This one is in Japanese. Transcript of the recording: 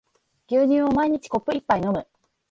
牛乳を毎日コップ一杯飲む